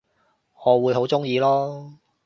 我會好鍾意囉